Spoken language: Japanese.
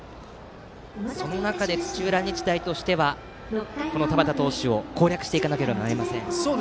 その中で土浦日大としてはこの田端投手を攻略していかなければなりません。